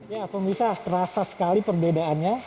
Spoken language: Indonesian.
ya aku bisa terasa sekali perbedaannya